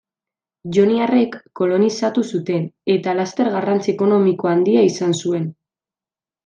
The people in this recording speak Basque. Joniarrek kolonizatu zuten eta laster garrantzi ekonomiko handia izan zuen.